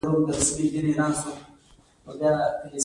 تاسې به خپله په دې خبره باندې پوه شئ.